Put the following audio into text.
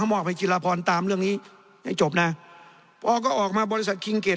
ข้ามออกไปจิลปรณ์ตามเรื่องนี้ได้จบน่ะอ๋อก็ออกมาบริษัทคิงเกต